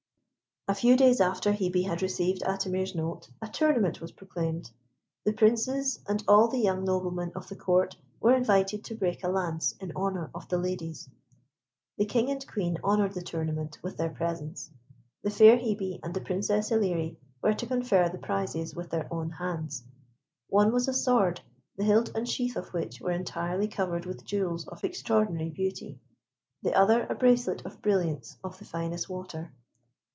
A few days after Hebe had received Atimir's note, a tournament was proclaimed. The Princes, and all the young noblemen of the Court, were invited to break a lance in honour of the ladies. The King and Queen honoured the tournament with their presence. The fair Hebe and the Princess Ilerie were to confer the prizes with their own hands. One was a sword, the hilt and sheath of which were entirely covered with jewels of extraordinary beauty. The other, a bracelet of brilliants of the finest water.